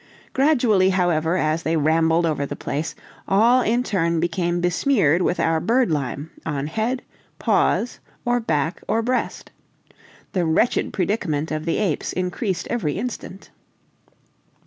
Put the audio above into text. Gradually, however, as they rambled over the place, all in turn became besmeared with our birdlime on head, paws, or back or breast. The wretched predicament of the apes increased every instant.